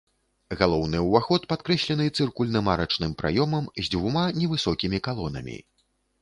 Галоўны ўваход падкрэслены цыркульным арачным праёмам з дзюма невысокімі калонамі.